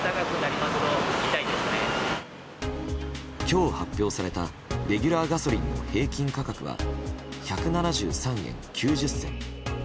今日発表されたレギュラーガソリンの平均価格は１７３円９０銭。